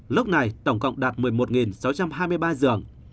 lúc này tổng cộng đạt một mươi một sáu trăm hai mươi ba giường